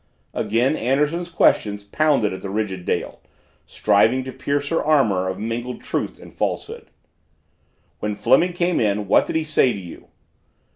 Again Anderson's questions pounded at the rigid Dale, striving to pierce her armor of mingled truth and falsehood. "When Fleming came in, what did he say to you?"